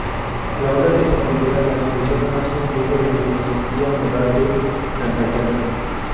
La obra se considera la expresión más completa de la filosofía moral de Santayana.